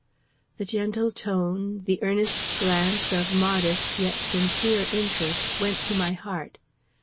The gentle tone, the earnest glance of modest yet sincere interest, went to my heart.